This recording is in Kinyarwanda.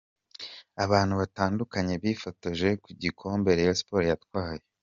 Abantu batandukanye bifotoje ku gikombe Rayon Sports yatwaye.